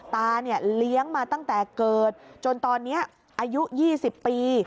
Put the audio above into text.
ตาเนี่ยเลี้ยงมาตั้งแต่เกิดจนตอนนี้อายุ๒๐ปี